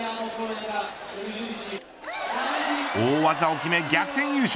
大技を決め逆転優勝。